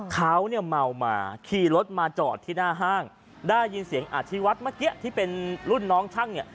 เขาเนี่ยเมามาขี่รถมาจอดที่หน้าห้างได้ยินเสียงอธิวัฒน์เมื่อกี้ที่เป็นรุ่นน้องช่างเนี่ย